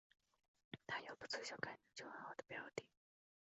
她有个自小感情就很好的表弟